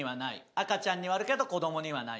赤ちゃんにはあるけど子供にはない。